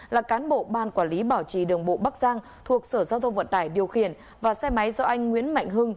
là cán bộ ban quản lý bảo trì đường bộ bắc giang thuộc sở giao thông vận tải điều khiển và xe máy do anh nguyễn mạnh hưng